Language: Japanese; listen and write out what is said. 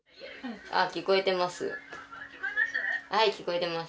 聞こえてます。